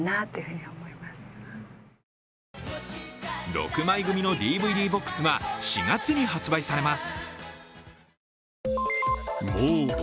６枚組のＤＶＤボックスは４月に発売されます。